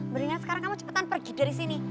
mbak dini sekarang kamu cepetan pergi dari sini